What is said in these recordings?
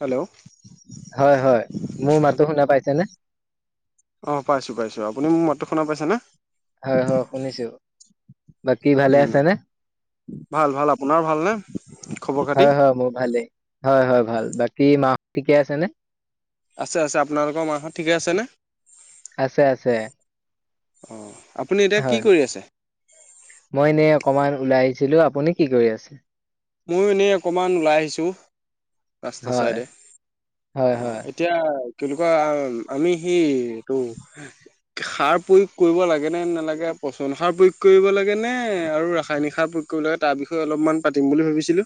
Hello, হয় হয় মোৰ মাতো শুনা পাইছেনে? অ' পাইছো- পাইছো, আপুনি মোৰ ম মাতটো শুনা পাইছা না। হয় হয় শুনিছো। বাকী ভালে উম আছে নে। ভাল ভাল আপোনাৰ ভালনে? খবৰ খাতি হয় হয় মোৰ ভালেই হয় হয় ভাল বাকী মাহ ঠিকে আছে নে? আছে আছে আপোনালোকৰ মাহহত ঠিকে আছেনে? আছে আছে। অ' আপুনি এতিয়া কি হয়। কৰি আছে? মই এনে অকমান ওলাই আহিছিলো। আপুনি কি কৰি আছে? ময়ো এনেই অকমান ওলাই আহিছোঁ। ৰাস্তা হয় চাইডে হয় অ', হয়। এতিয়া কেনেকুৱা আমি সিটো সাৰ প্ৰয়োগ কৰিব লাগে নে নালাগে পচন সাৰ প্ৰয়োগ কৰিব লাগে নে আৰু ৰাসায়নিক সাৰ প্ৰয়োগ কৰিব লাগে তাৰ বিষয়ে অলপমান পাতি ম বুলি ভাবিছিলো।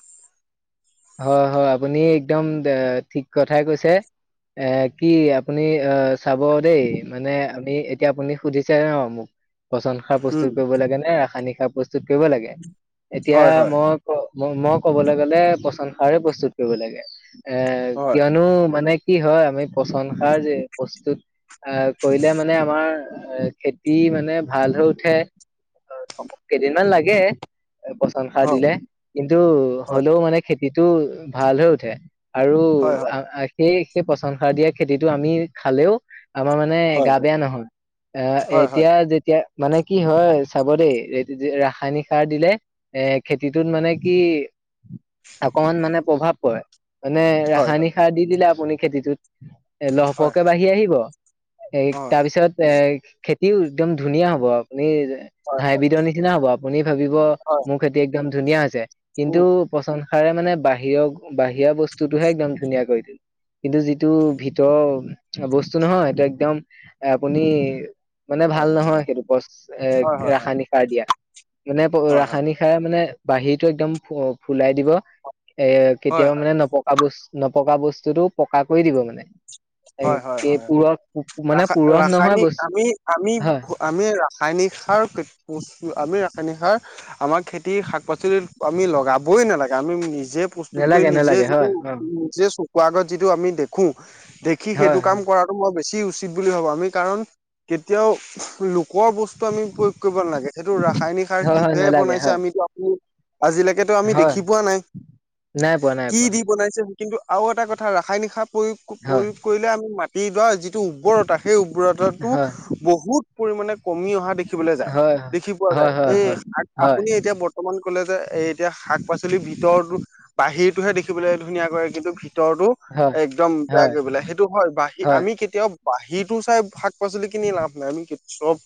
হয় হয় আপুনি একদম ঠিক কথাই কৈছে এ কি আপুনি আহ চাব দেই মানে আমি এতিয়া আপুনি সুধিছে ন মোক। পচন সাৰ উম প্ৰস্তুত কৰিব লাগে নে পানি খাৰ প্ৰস্তুত কৰিব লাগে। এতিয়া হয় হয় মই ক মই ক'বলৈ গ'লে। সংসাৰে প্ৰস্তুত কৰিব লাগে। এ হয় কিয়নো মানে। কি হয় আমি পচন সাৰ যে প্ৰস্তুত আহ কৰিলে মানে আমাৰ খেতি মানে ভাল হৈ উঠে কেইদিনমান লাগে। পচন সাৰ হয় দিলে কিন্তু হ'লেও মানে। খেতিটো ভাল হৈ উঠে। আৰু হয় সেই সেই পচন সাৰ দিয়া খেতিটো আমি খালেও। আমাৰ মানে হয় গা হয় বেয়া নহয় আহ হয় হয় এতিয়া যেতিয়া। মানে কি হয় চাব দেই ৰাসায়নিক সাৰ দিলে এ খেতিটোত মানে কি অকণমান মানে প্ৰভাৱ পৰে। মানে হয় হয় ৰাসায়নিক সাৰ দি দিলে। ম খেতিটোত। এ হয় লহপহকে বাঢ়ি আহিব এ হয় হয় তাৰপিছত এ খেতিও একদম ধুনীয়া হ'ব আৰু। আপুনি হয় হয় হাইবিধৰ নিচিনা হব আপুনি ভাবিব হয় মোৰ খেতিত। একদম ধুনীয়া হৈছে। কিন্তু উম পচন ষাৰে মানে বাহিৰৰ বাহিৰা বস্তুটোহে একদম ধুনীয়া কৰি দিল কিন্তু যিটো ভিতৰৰ বস্তু নহয় এইটো একদম আপুনি মানে হয় হয় ভাল নহয় সেইটো পচ এ হয় হয় হয় ৰাসায়নিক সাৰ দিয়া মানে হয় ৰাসায়নিক সাৰ মানে বাহীটো একদম ফুলাই দিব এ হয় হয় কেতিয়াও মানে নপকা বছ্ নপকা বস্তুটোও পকা কৰি দিব মানে হয় -হয় এ -হয় পুৰঠ মানে ৰাসা পুৰঠ নহয় ৰাসায়নিক বস্তু আমি আমি হয়, আমি ৰাসায়নিক সাৰ পি প্ৰছ আমি হানি হয় আমাৰ খেতিৰ শাক পাচলি আমি লগাবই নালাগে আমি নিজ যে প্ৰস্তুত কৰি নেলাগে নিজে নেলাগে যিটো হয় অ', নিজে চ কোৱা আগত যিটো আমি দেখো সি হয়, সেইটো কাম হয়, কৰাটো মই বেছি বেছি উচিত বুলি ভাবোঁ আমি কাৰণ কেতিয়াও নো কৰ বস্তু আমি প্ৰয়োগ কৰিব নালাগে সেইটো ৰাসায়নিক সাৰ হয়, হয়, কিহে নেলাগে বনাইছে হয়, আমিতো আপুনি আজিলৈকেতো আমি হয়, দেখি পোৱা নাই নাই পোৱা নাই কি পোৱা, দি বনাইছে কিন্তু আৰু এটা কথা ৰাসায়নিক সাৰ প্ৰয়োগ হয়, প্ৰয়োগ এতিয়া আমি মাতি দৰা যিটো উৰ্বৰতা সেই ৰাটো হয়, বহুত পৰিমাণে কমি অহা দেখি দেখিবলৈ যায় হয়, দেখি পোৱা হয়, যায় হয়, এই হয়, শাক হয়, আপুনি এতিয়া বৰ্তমান কলে যে এ এতিয়া শাক শাক পাচলি ভিতৰতো বাহিৰটোহে দেখিবলৈ ধুনীয়াক কৰে কিন্তু ভিতৰটো হয়, একদম বেয়া হয়, কৰি পেলাই সেই হয় বাহি আমি কেতিয়াও বাহিৰতো চাই শাক পাচলি কিনি লাভ নাই আমি চব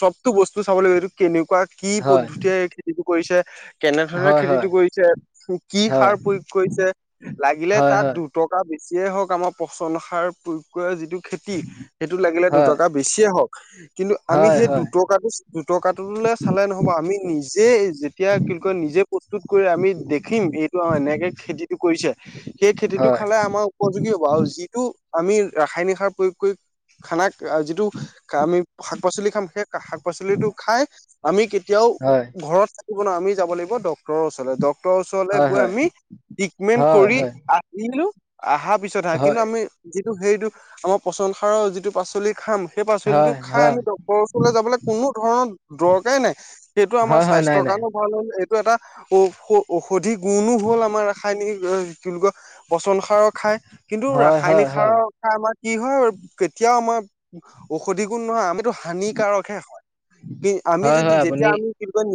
চবতটো বস্তু চাব লাগিব এইটো কেনেকুৱা কি হয়, পদ্ধতিৰে এই খেতিটো কৰিছে কেনে ধৰণে হয়, হয়, খেতিটো কৰিছে কি সাৰ হয়, প্ৰয়োগ কৰিছে হয়, লাগিলে হয়, তাত হয়, দুটকা বে যিয়েই হওক কামক পচন সাৰ প্ৰয়োগ কৰে যিটো টো খেতি সেইটো লাগিলে দুটকা বেছিয়ে হওঁক। [unintelligible] কিন্তু আমি হয়, হয়, হয়, হয়, হয়, হয়, হয়, হয়, সেই হয়, দুটকাটো দুটকাটোলে চালে নহ'ব। আমি নিজে যেতিয়া কি কয় নিজে প্ৰস্তুত কৰি আমি দেখিম। এইটো এনেকে খেতিটো কৰিছে [unintelligible] সেই খেতিটো হয়, খালে আমাৰ উপযোগী হব। আৰু আমি ৰাসায়নিক সাৰ প্ৰয়োগ কৰি খানাক যিটো আমি শাক পাচলি খাম সেই শাক পাচলিটো খাই আমি এতিয়াও ঘৰত শুন, আমি যাব লাগিব ডক্তৰৰ ওচৰলৈ। ডক্ত ডক্তৰ ওচৰলৈ গৈ আমি ট্ৰিটমেন্ট কৰি আহিলো। আহা পিছত কিন্তু আমি সেইটো আমাৰ পচন সাৰৰ যিটো পাচলি খাঁম। সেই পাচলিটো হয়, খাই হয়, আমি ডক্তৰৰ ওচৰলৈ যাবলৈ কোনো ধৰণৰ দৰকাৰেই নাই। সেইটো আমাৰ হয়, নাই স্বাস্থ্যৰ নাই, কাৰণেও ভাল হ'ল এটা ঔ, ঔসধি গুন হল আমাৰ ৰাসায়নিক উ কি বুলি কয়, পচন সাৰৰ খায় কিন্তু হয়, হয়, ৰাসায়নিক হয়, সাৰৰ খাই আমাৰ কি হয়। কেতিয়াও আমাৰ ঔষধি গুণ নহয় আমি হানিকাৰক হে হয়। কিন্তু আমি হয়, যদি হয়, যেতিয়াঁ আপুনি আমি কি কয়,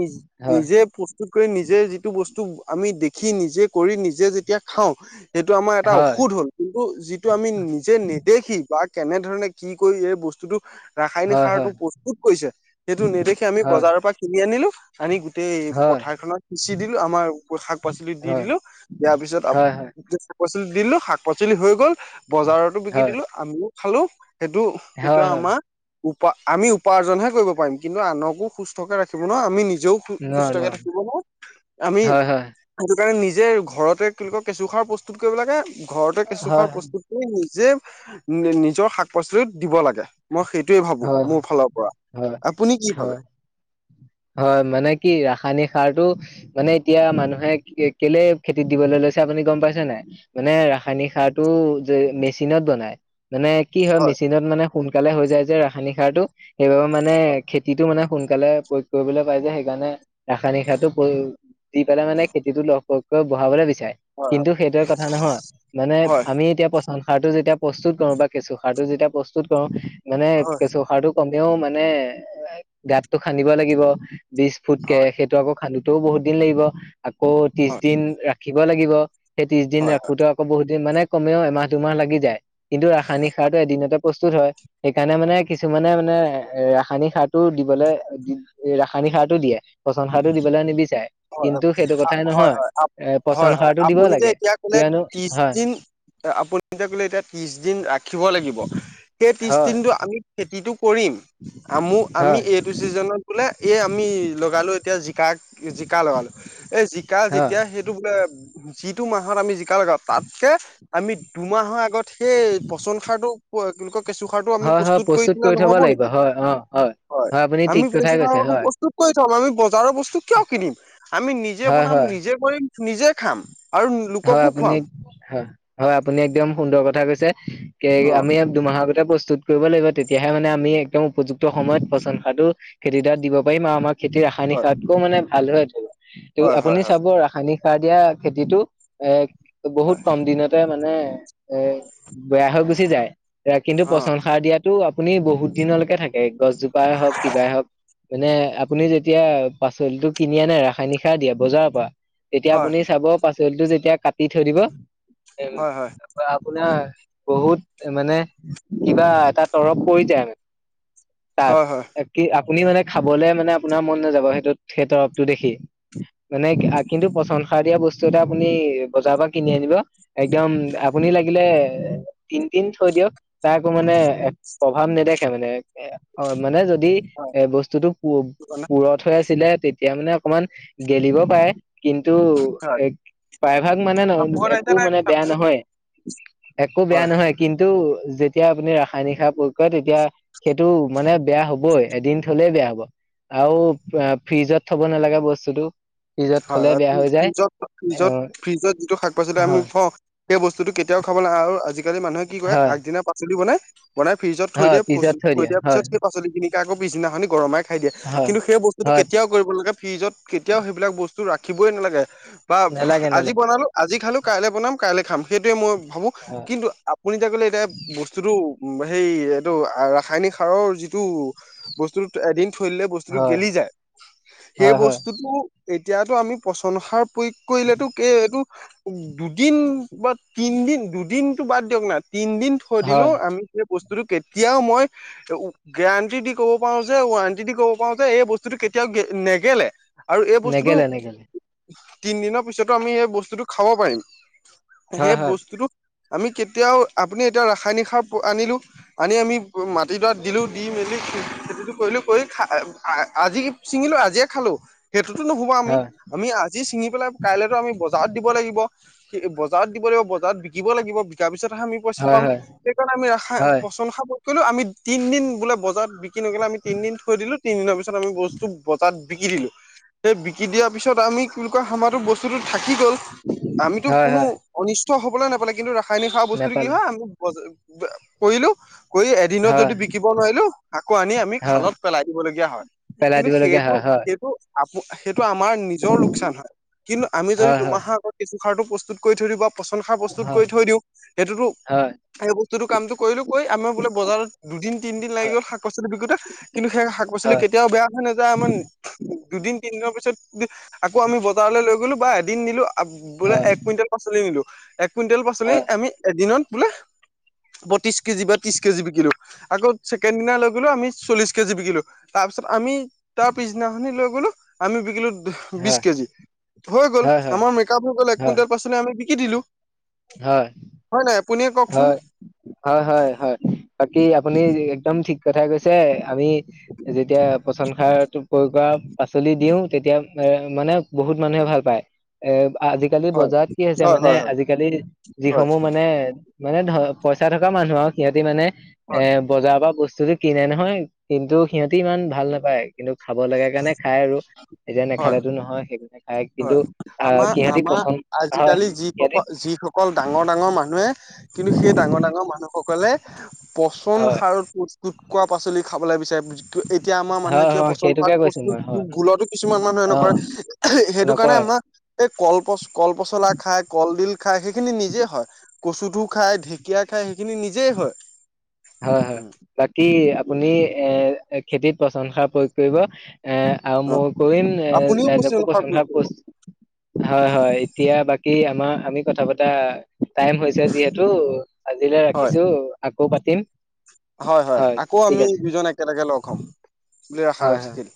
হয়, নিজে প্ৰস্টুত প্ৰস্তুত কৰি, নিজে যিটো বস্তু আমি দেখি, নিজে কৰি নিজে যেতিয়া খাওঁ। সেইটো আমাৰ এটা হয়, ঔষধ হ'ল। সেইটো যিটো আমি নিজে নেদেখি বা কেনে ধৰণে কি কৰি এই বস্তুটো হয়, ৰাসায়নিক হয়, সাৰটো হয়, প্ৰস্তুত কৰিছে। সেইটো নেদেখি আমি হয়, বজাৰৰ পৰা কিনি আনিলো। আনি গোটেই হয়, হয়, পথাৰখনত সিচি দিলো। আমাৰ শাক পাচলিট দি দিলো। ইয়াৰ পিছত হয়, পাচলিত দিলো শাক পাচলি হৈ গ'ল বজাৰতো বিকি হয়, দিলো আমিও খালো। সেইটো, হয়, সেইটোৱেই হয়, আমাৰ উপ আমি উপাৰ্জন হে কৰিব পাৰিম কিন্তু আনকো সুস্থকে ৰাখিব নোৱাৰো আমি নিজ জেও সুস্থকে থাকিব নোৱাৰো আমি হয়, হয়। হেতু সেই কাৰণে নিজে ঘৰতে [unintelligible] কেঁচু খাৰ প্ৰস্তুত কৰিব লাগে। ঘৰতে কেঁচুসাৰ হয়, প্ৰস্তুত কৰি যে, নিজৰ শাক পাচলিত দিব লাগে। মই সেইটোৱেই ভাবো হয়, মোৰ ফালৰ পৰা, হয়, আপুনি কি হয়। ভাবে। হয় মানে কি ৰাসায়নিক সাৰতটো মানে এতিয়া মানুহে কেলে খেতিত দিবলৈ লৈছে আপুনি গম পাইছে নাই, মানে ৰাসায়নিক সাৰটো যে মেচিনত বনায়। মানে কি হয় মেচিনত মানে সোনকালে হৈ যায় যে ৰাসায়নিক সাৰটো। সেইবাবে মানে খেতিটো মানে সোনকালে প্ৰয়োগ কৰিবলৈ পাই যে সেইকাৰণে ৰাসায়নিক সাৰটো প্ৰয়োগ দি পেলাই মানে খেতিটো লগ হক [unintelligible] হয় কিন্তু সেইটোয়ে কথা নহয়, মানে হয় আমি এতিয়া পচ সাৰটো যেতিয়া প্ৰস্তুত কৰো বা কেঁচু সাৰটো যেতিয়া প্ৰস্তুত কৰো মানে হয় কেঁচু সাৰটো কমেও মানে গাতটো খান্দিব লাগিব। বিশ ফুটকে হয় সেইটো আকৌ খান্দোতেই বহুত দিন লাগিব। আকৌ ত্ৰিশ হয় দিন ৰাখ খিব লাগিব। সেই ত্ৰিশ দিন হয় ৰাখোতে আকৌ বহুত মানে কমেও এমাহ দুমাহ লাগি যায়। কিন্তু ৰাসায়নিক সাৰটো এদিনত প্ৰস্তুত হয়। সেইকাৰণে মানে কিছুমানে মানে ৰাসায়নিক সাৰটো দিবলৈ, ৰাসায়নিক সাৰটো দিয়ে। পচন সাৰটো দিবলৈ নিবিচাৰে। হয় হয় কিন্তু সেইটো আ, কথাই হয় নহয় হয় আপ, এ পচন হয় হয় সাৰটো দিব আপুনি যে লাগে এতিয়া ক'লে কিয়নো ত্ৰিশ হয় দিন আপুনি যে ক'লে এতিয়া ত্ৰিশ দিন ৰাখিব লাগিব। সেই ত্ৰিশ হয় দিনটো আমি খেতিটো কৰিম। আমু আমি হয় এইটো চিজনত বোলে এই আমি লগালো। এতিয়া জিকাক। জিকা লগালো। এই জিকা হয় যেতিয়া সেইটো বোলে। যিটো মাহত আমি জিকা লগাওঁ তাতকে আমি দুমাহৰ আগত। এই পচন সাৰটো। [unintelligible] আমি হয় হয় প্ৰস্তুত দিলে কৰি থব নহ'ব লাগিব নেকি হয় অ হয় হয় আপুনি ঠিক কথাই কৈছে হয়। চাওক আমি বজাৰৰ ব কিয় কিনিম আমি নিজে হয় বনাম হয় নিজে কৰিম নিজে খাম। আৰু লোককো হয় আপুনি খুৱাম হয়। হয় আপুনি একদম সুন্দৰ কথা কৈছে। কে অ আমি ইয়াত দুমাহৰ ভিতৰত বস প্ৰস্তুত কৰিব লাগিব তেতিয়াহে মানে আমি একদম উপযুক্ত সময়ত পচন সাৰটো খেতিডৰাক দিব পাৰিম আৰু আমাক খেতিৰ ৰাসায়নিক সাৰতকৈয়ো মানে। [unintelligible] তো হয় হয় আপুনি হয় চাব ৰাসায়নিক সাৰ দিয়া খেতিটো এক হয় বহুত কম দিনতে মানে মানে এ বেয়া হৈ গুচি যায়। এয়া কিন্তু হয় পচন সাৰ দিয়াত টো আপুনি বহুত দিনলৈকে থাকে গছজোপাই হওক কিবাই হওক মানে আপুনি যেতিয়া পাচলিটো কিনি আনে ৰাসায়নিক সাৰ দিয়া বজাৰৰ পা এতিয়া অ হয় আপুনি চাব পাছ। [unintelligible] সেয়া কাটি থৈ দিব। হয় হয় আপোনাৰ বহুত মানে কিবা এটা তৰপ পৰি যায় মানে। তাত হয় হয় এ কি আপ আপুনি মানে খাবলৈ মানে আপোনাৰ মন নাযাব সেইটোত সেই তৰপ টো দেখি মানে কিন্তু পচনসাৰ দিয়া বস্তু এটা আপুনি বজাৰৰ পৰা কিনি আনিব একদম আপুনি লাগিলে তিন দিন থৈ দিয়ক তাৰ একো মানে প্ৰভাৱ নেদেখে মানে অ মানে যদি দি এ বস্তুটো হয় পুৰঠ হৈ আছিলে তেতি এতিয়া মানে অকমান গেলিব পাৰে কিন্তু হয় এক প্ৰায়ভাগ মানে ন কাপোৰত একো আহিছে নে মানে বেয়া চাব্জিটো নহয় [inaudible] একো বেয়া হয় নহয় কিন্তু যেতিয়া আপুনি ৰাসায়নিক সাৰ প্ৰয়োগ কৰে তেতিয়া সেইটো মানে বেয়া হবই এদিন থলে বেয়া হব আৰু ফ্ৰিজত থব নালাগে বস্তুটো ফিজত হয় থলে হয় বেয়া ফ্ৰি- হৈ যায় ফ্ৰিজত ফ্ৰিজত অঁ ফ্ৰিজত যিটো শাক পাচলি আমি খাওঁ সেই বস্তুটো কেতিয়াও খাব নালাগে আৰু আজি আজিকালি মানুহ কি কৰে হয় আগদিনা পাচলি বনাই বনাই ফ্ৰিজ থৈ হয় দিয়ে ফ্ৰিজত থৈ দিয়ে দিয়াৰ হয় পিছত সেই পাচলিখিনি আকৈ পিছদিনাখনি গৰমাই খাই দিয়ে হয়। কি সেই বস্তু হয় কেতিয়াও কৰিব নালাগে ফ্ৰিজত কেতিয়াও বস্তু ৰাখিবই নালাগে বা নালাগে আজি নালাগে বনালো আজি খালো কাইলৈ বনাম কাইলৈ খাম সেইটোৱে মই ভাবো হয় কিন্তু আপুনি যে কলে এতিয়া বস্তুতটো সেই এইটো ৰাসায়নিক সাৰৰ যিটো বস্তু এদিন থৈ দিলে বস্তুটো হয় গেলি যায় সেই হয় হয় বস্তুটো এতিয়াতো আমি পচন সাৰ প্ৰয়োগ কৰিলেতো এইটো দুদিন বা তিনদিন দুদিনতটো বাদ দিয়ক না তিনদিন থৈ হয় দিলেও আমি বস্তুটো কেতিয়াও মই গেৰাণ্টি দি ক'ব পাৰো যে ৱাৰেণ্টি দি ক'ব পাৰো যে এই বস্তুটো কেতিয়াও নেগেলে আৰু নেগেলে নেগেলে তিন দিনৰ পিছতো আমি এই বস্তুটো খাব পাৰিম হয় সেই হয় বস্তুটো আমি কেতিয়াও আপুনি এতিয়া ৰাসায়নিক সাৰ আনিলো আনি আমি মাটিডৰা দিলো দি মেলি খেতিটো কৰিলো কৰি আজি ছিঙিলো আজিয়ে খালো সেইটো নুহো আমি হয় আমি আজি চিঙি কাইলেতো আমি বজাৰ বজাৰত দিব লাগিব সেই বজাৰত দিব লাগিব বজাৰত বিকিব লাগিব বিকাৰ পিছত আমি পইচা হয় পাম হয় সেইকাৰণে আমি ৰাসা হয় পচন সাৰ কি কৰিলো আমি তিনদিন বোলে বজাৰত বিকি নগলে আমি তিনদিন থৈ দিলো তিনি দিনৰ পিছত আমি বস্তু বজাৰত বিকি দিলো সেই বিকি দিয়াৰ পিছত আমি কি বুলি কয় আমাৰটো বস্তুটো থাকি গ'ল আমিতো হয় কোনো হয় অনিস্ত হ'বলৈ নাপালে কিন্তু ৰাসায়নিক সাৰ বস্তু কি নেপালে হয় আমি বজা কৰিলো কৰি এদিনত হয় যদি বিকিব নোৱাৰিলো আকৌ আনি আমি হয় খালত পেলাই দিবলগীয়া হয় পেলাই কিন্তু দিবলগীয়া সেইটো হয় হয় সেইটো আপ সেইটো আমাৰ নিজৰ লোকচান হয় কিন্তু আমি যদি হয় হয় দুমাহৰ আগত কিছু খাৰটো প্ৰস্তুত কৰি থৈ দিব পচন সাৰ প্ৰস্তুত কৰি হয় থৈ দিওঁ সেইটোতো হয় সেই ব তটো কামটো কৰিলো কৈ আমাৰ বোলে বজাৰত দুদিন তিনদিন লাগি হয় গ'ল শাক পাচলি বিকোতে কিন্তু সেই শাক পাচলি হয় কেতিয়াও বেয়া হৈ নাযায় আমাৰ দুদিন দুদিনৰ পিছত আকৌ আমি বজাৰলৈ লৈ গলো বা এদিন নিলো বোলে হয় এক কুইণ্টেল পচলি নিলো এক কুইণ্টেল পাচলি হয় আমি এদিনত বোলে বত্ৰিশ কেজি বা ত্ৰিশ কেজি বিকিলো আকৌ ছেকেণ্ড দিনা লৈ গলো আমি চল্লিশ কেজি বিকিলো তাৰ পিছত আমি তাৰ পিছদিনাখনি লৈ গলো আমি বিকিলো বিশ হয়, কেজি হৈ গ'ল হয়, হয়, আমাৰ মেকআপ হৈ গ'ল এক হয়, কুইন্টেল পাচলি আমি কি দিলো হয় হয় নাই আপুনিয়ে কওকচোন হয় হয় হয় হয় বাকী আপুনি একদম ঠিক কথাই কৈছে আমি যেতিয়া পচন সাৰ প্ৰয়োগ কৰা পাচলি দিও তেতিয়া এ মানে বহুত মানুহে ভাল পায় এ আজিকালি হয় বজাৰত কি হৈছে হয় মানে হয় হয় আজিকালি হয় যিসমূহ মানে মানে ধৰ পইচা থকা মানুহক সিহতি মানে এ হয় বজাৰ বা বস্তু বস্তুতটো কিনে নহয় কিন্তু সিহঁতি ইমান ভাল নাপায় কিন্তু খাব লগা কাৰণে খাই আৰু এতিয়া হয় নেখালেতো নহয় সেইবিলাক হয় আমাৰ আমাৰ হয় আজিকালি সিহঁতি যিসকল যিসকল ডাঙৰ ডাঙৰ মানুহে কিন্তু সেই ডাঙৰ ডাঙৰ মানুহসকলে পচন হয় সাৰত প্ৰস্তুত কৰা শাক পাচলি খাবলৈ বিচাৰে বুজ এতিয়া আমাৰ মানুহে হয় কিয় হয় পচন্ সেইটোকে শাক কৈছো বস্তু মই হয় ভুলতো কিছুমান মানুহে অ নকৰে সেইটো কাৰণে নকয় আমাক এই কল পচ কলপচলা খায় কলডিল খায় সেইখিনি নিজে হয় কচুঠোৰ খায় ঢেকীয়া খায় খিনি নিজেই হয় হয় হয় বাকী আপুনি এ এক খেতিত পচন সাৰ প্ৰয়োগ কৰিব এ আৰু অ মই কৰিম এ আপুনিও ৰাইজকো পচন সাৰ পচন্ প্ৰয়োগ হা কৰিব পছতু হয় হয় এতিয়া বাকী আমাৰ আমি কথা পাতা। টাইম হৈছে যিহেতু আজিলৈ হয় ৰাখিছো, আ আকৌ পাতিম। হয় হয় আকৌ ঠিক আমি আছে দুজন একেলগে লগ হম। বুলি হয় হয় ৰাখাছিল।